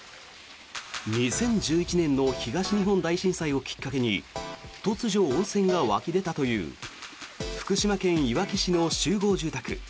２０１１年の東日本大震災をきっかけに突如、温泉が湧き出たという福島県いわき市の集合住宅。